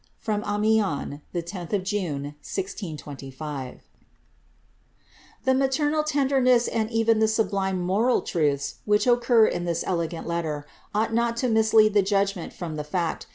^ From Amiens, the 10th of June, 1025.*' The maternal tenderness, and even the suhlime moral truths wliich occur in this elegant letter, ought not to mislead tlie judgment from the ^ct.